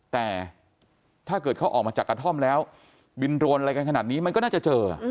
แต่ถ้าเกิดเขาออกมาจากกระท่อมแล้วบินโรนอะไรกันขนาดนี้มันก็น่าจะเจอ